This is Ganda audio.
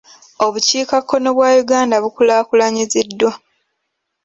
Obukiikakkono bwa Uganda bukulaakulanyiziddwa.